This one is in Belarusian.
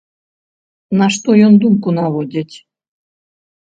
На што ён думку наводзіць?